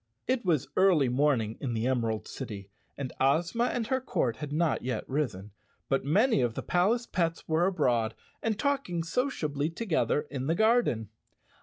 It was early morning in the Emerald City, and Ozma and her court had not yet risen, but many of the palace pets were abroad and talking sociably together in the gar¬ den.